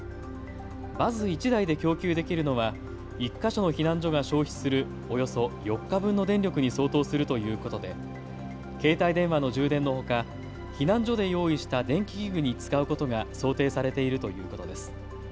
バス１台で供給できるのは１か所の避難所が消費するおよそ４日分の電力に相当するということで携帯電話の充電のほか避難所で用意した電気器具に使うことが想定されているということです。